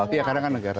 iya kadang kan negara